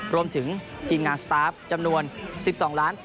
รวมถึงทีมงานสตาฟจำนวน๑๒๘๕๒๐๐๐บาท